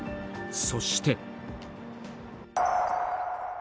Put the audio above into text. そして。